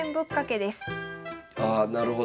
あなるほど。